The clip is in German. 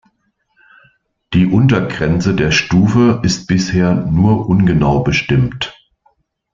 Die Untergrenze der Stufe ist bisher nur ungenau bestimmt.